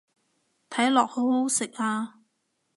睇落好好食啊